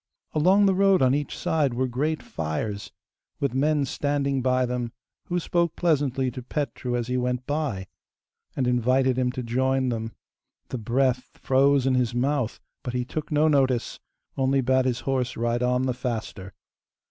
Along the road on each side were great fires, with men standing by them, who spoke pleasantly to Petru as he went by, and invited him to join them. The breath froze in his mouth, but he took no notice, only bade his horse ride on the faster.